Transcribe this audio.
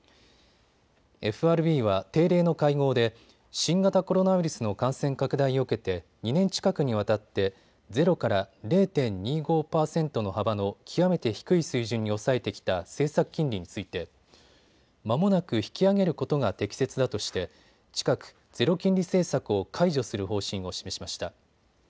ＦＲＢは定例の会合で新型コロナウイルスの感染拡大を受けて２年近くにわたってゼロから０．２５％の幅の極めて低い水準に抑えてきた政策金利についてまもなく引き上げることが適切だとして近く、ゼロ金利政策を解除する方針を示しました。